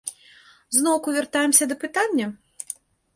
Зноўку вяртаемся да пытання?